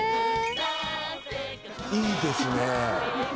いいですね